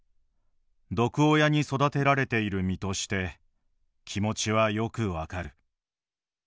毒親に育てられている身として気持ちはよく分かる」。